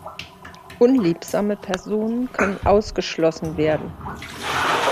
Unliebsame Personen können ausgeschlossen werden.